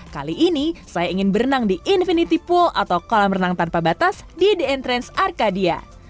kali ini saya ingin berenang di infinity pool atau kolam renang tanpa batas di the entrance arcadia